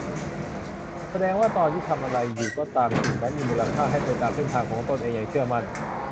แสดงว่าตอนนี้ทำอะไรอยู่ก็ตามสิ่งนั้นมีมูลค่า ให้ไปตามเส้นทางของตนเองอย่างเชื่อมั่น